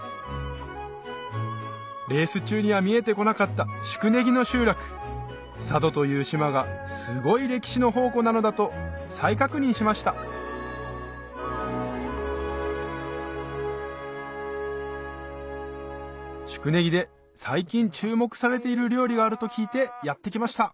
レース中には見えてこなかった宿根木の集落佐渡という島がすごい歴史の宝庫なのだと再確認しました宿根木で最近注目されている料理があると聞いてやって来ました